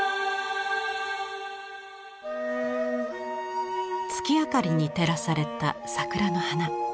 月明かりに照らされた桜の花。